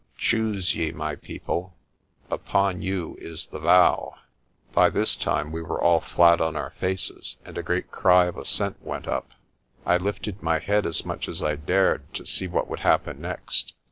Choose ye, my people; upon you is the vow." By this time we were all flat on our faces, and a great cry of assent went up. I lifted my head as much as I dared to see what would happen next.